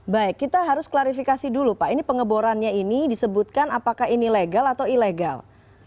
baik kita harus klarifikasi dulu pak ini pengeborannya ini disebutkan apakah ini legal atau ilegal